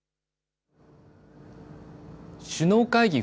首脳会議